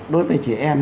đối với trẻ em